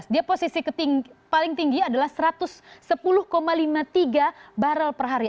dia posisi paling tinggi adalah satu ratus sepuluh lima puluh tiga barrel per hari